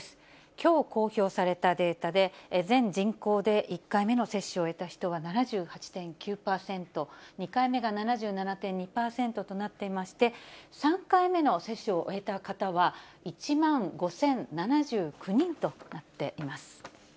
きょう公表されたデータで、全人口で１回目の接種を終えた人は７８．９％、２回目が７７．２％となっていまして、３回目の接種を終えた方は１万５０７９人となっています。